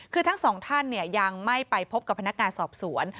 คือทั้งสองท่านยังไม่ไปพบกับพนักงานสอบสวน